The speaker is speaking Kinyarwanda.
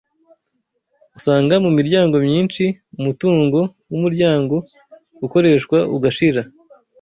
Usanga mu miryango myinshi umutungo w’umuryango ukoreshwa ugashira